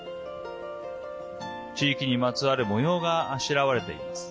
地域にまつわる模様があしらわれています。